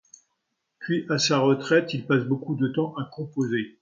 Puis, à sa retraite, il passe beaucoup de son temps à composer.